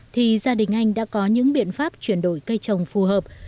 thì gia đình anh đã có những biện pháp chuyển đổi cây trồng phù hợp